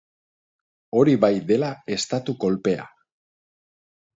Hori bai dela estatu kolpea.